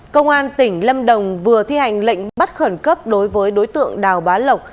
công an tỉnh lâm đồng vừa thi hành lệnh bắt khẩn cấp đối với đối tượng đào bá lộc